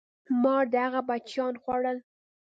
مار د هغه بچیان خوړل.